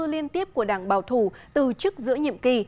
liên tiếp của đảng bảo thủ từ chức giữa nhiệm kỳ